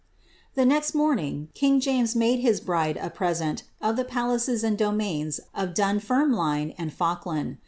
The next morning, king James made his bride a present of the palaces and domains of Dunfermline and Falkland.'